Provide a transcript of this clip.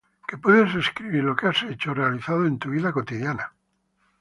Que puedes escribir lo que has hecho o realizado en tu vida cotidiana.